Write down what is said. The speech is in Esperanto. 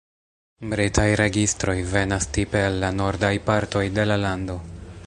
Britaj registroj venas tipe el la nordaj partoj de la lando.